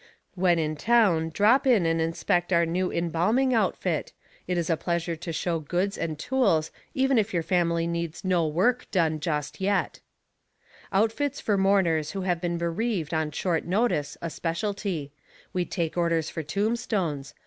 When in Town Drop in and Inspect Our New Embalming Outfit. It is a Pleasure to Show Goods and Tools Even if Your Family Needs no Work Done Just Yet Outfits for mourners who have been bereaved on short notice a specialty. We take orders for tombstones.